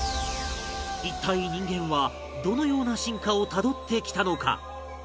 一体人間はどのような進化をたどってきたのか？